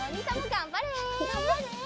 がんばれ！